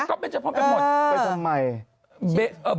เกอร์ใกล้จำนาย